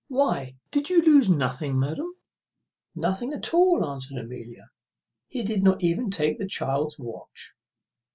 What, did you lose nothing, madam?" "Nothing at all," answered Amelia. "He did not even take the child's watch."